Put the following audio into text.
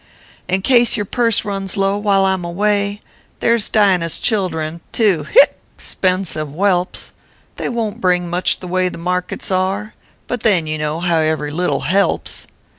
"In case your purse runs low while I m away There s Dinah s children two (hie) spensive whelps ; They won t bring much the way the markets are, But then you know how every little helps.